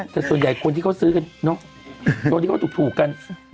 แต่ส่วนใหญ่คนที่เขาซื้อกันเนอะตัวที่เขาถูกกัน